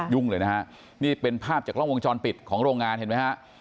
เลยนะฮะนี่เป็นภาพจากกล้องวงจรปิดของโรงงานเห็นไหมฮะ